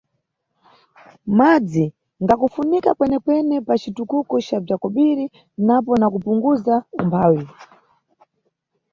Madzi ngakufunika kwenekwene pa citukuko ca bza kobiri napo na pakupunguza umphawi.